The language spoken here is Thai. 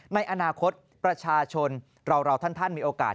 ในอนาคตประชาชนเราท่านมีโอกาส